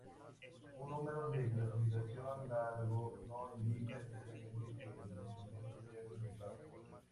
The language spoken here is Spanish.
Un número de clasificación largo no indica necesariamente que el instrumento sea complicado.